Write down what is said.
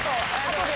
後で。